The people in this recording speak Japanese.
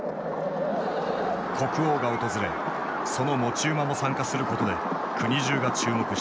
国王が訪れその持ち馬も参加することで国中が注目していた。